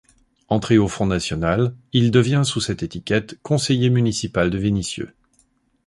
Entré au Front national, il devient sous cette étiquette conseiller municipal de Vénissieux.